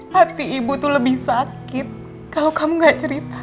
hati ibu tuh lebih sakit kalau kamu gak cerita